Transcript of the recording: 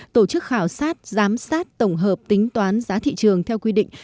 tổ chức khảo sát giám sát tổng hợp tính toán giá thị trường theo quy định